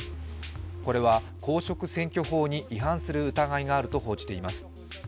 これは公職選挙法に違反する疑いがあると報じています。